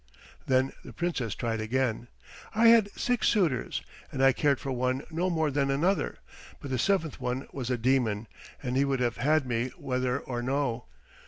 Then the Princess tried again. "I had six suitors, and I cared for one no more than another, but the seventh one was a demon, and he would have had me whether or no.